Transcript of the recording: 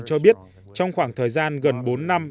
cho biết trong khoảng thời gian gần bốn năm